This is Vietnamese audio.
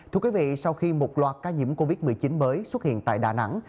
thưa quý vị sau khi một loạt ca nhiễm covid một mươi chín mới xuất hiện tại đà nẵng